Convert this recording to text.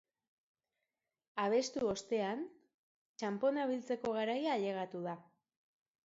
Abestu ostean, txaponak biltzeko garaia ailegatu da.